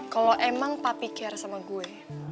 kalau emang papi care sama gue